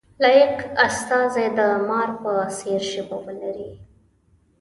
لایق استازی د مار په څېر ژبه ولري.